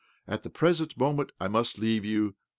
At the present moment I must leave you.